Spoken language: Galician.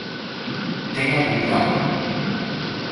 Ten algún plan?